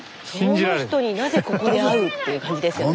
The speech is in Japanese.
この人になぜここで会うっていう感じですよね。